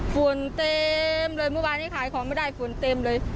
ฝนเต็มเลยเมื่อวานนี้ขายของไม่ได้ฝุ่นเต็มเลย